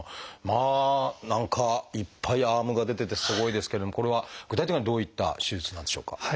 まあ何かいっぱいアームが出ててすごいですけれどもこれは具体的にはどういった手術なんでしょうか？